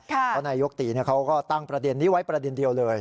เพราะนายยกตีเขาก็ตั้งประเด็นนี้ไว้ประเด็นเดียวเลย